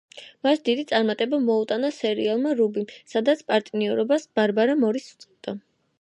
მას დიდი წარმატება მოუტანა სერიალმა „რუბი“, სადაც პარტნიორობას ბარბარა მორის უწევდა.